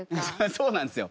そうなんですよ。